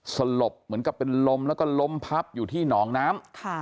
สลบเหมือนกับเป็นลมแล้วก็ล้มพับอยู่ที่หนองน้ำ